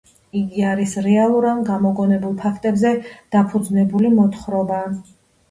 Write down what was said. იგი არის რეალურ ან გამოგონებულ ფაქტებზე დაფუძნებული მოთხრობა